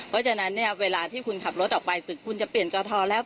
เพราะฉะนั้นเนี่ยเวลาที่คุณขับรถออกไปตึกคุณจะเปลี่ยนกอทแล้ว